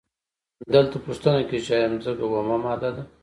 دلته پوښتنه کیږي چې ایا ځمکه اومه ماده ده؟